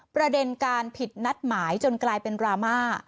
ประเด็นการผิดนัดหมายจนกลายเป็นดราม่า